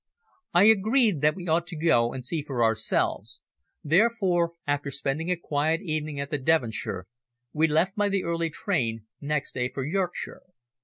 I agreed that we ought to go and see for ourselves, therefore, after spending a quiet evening at the Devonshire, we left by the early train next day for Yorkshire.